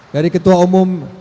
dari ketua umum